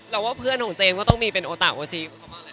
เราว่าเพื่อนของเจ๊ก็ต้องมีเป็นโอตาโอชี